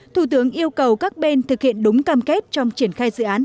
thủ tướng yêu cầu các bên thực hiện đúng cam kết trong triển khai dự án